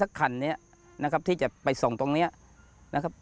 คันนี้นะครับที่จะไปส่งตรงนี้นะครับ